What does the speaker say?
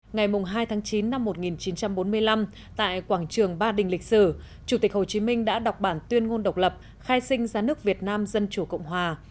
ngày hai tháng chín năm một nghìn chín trăm bốn mươi năm tại quảng trường ba đình lịch sử chủ tịch hồ chí minh đã đọc bản tuyên ngôn độc lập khai sinh ra nước việt nam dân chủ cộng hòa